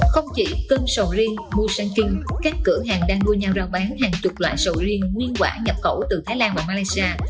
không chỉ cân sầu riêng mua săn kinh các cửa hàng đang đua nhau rao bán hàng chục loại sầu riêng nguyên quả nhập khẩu từ thái lan và malaysia